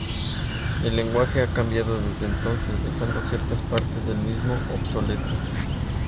El lenguaje ha cambiado desde entonces, dejando ciertas partes del mismo obsoleto.